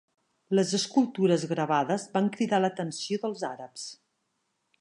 Les escultures gravades van cridar l'atenció dels àrabs.